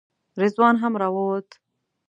رضوان هم راووت.